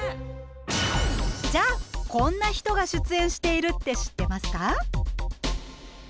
じゃあこんな人が出演しているって知ってますか？